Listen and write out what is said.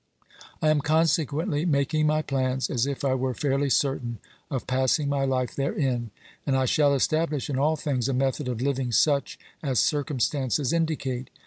I am consequently making my plans as if I were fairly certain of passing my life therein, and I shall establish in all things a method of living such as circumstances indicate.